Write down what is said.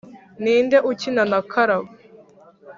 Ni nde ukina na Karabo?